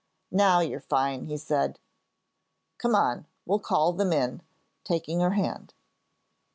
"Now you're fine!" he said. "Come on, we'll call them in," taking her hand.